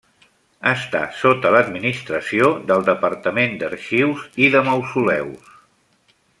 Està sota l’administració del Departament d’Arxius i de Mausoleus.